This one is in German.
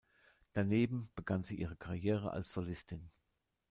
Daneben begann sie ihre Karriere als Solistin.